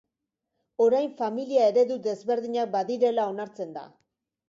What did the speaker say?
Orain familia eredu desberdinak badirela onartzen da.